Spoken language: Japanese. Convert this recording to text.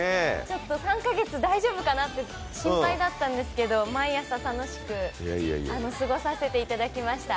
３か月大丈夫かなって心配だったんですけど、毎朝楽しく過ごさせていただきました。